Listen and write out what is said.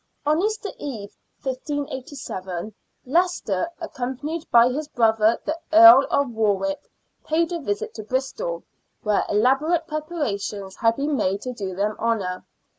On Easter Eve, 1587, Leicester, accompanied by his brother the Earl of Warwick, paid a visit to Bristol, where elaborate preparations had been made to do them honour.